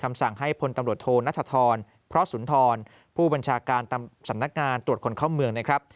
สั่งให้พลตำรวจโทนัทธรพระสุนทรผู้บัญชาการสำนักงานตรวจคนเข้าเมืองนะครับ